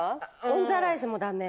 オンザライスもダメ？